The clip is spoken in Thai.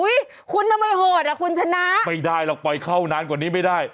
คุณทำไมโหดอ่ะคุณชนะไม่ได้หรอกปล่อยเข้านานกว่านี้ไม่ได้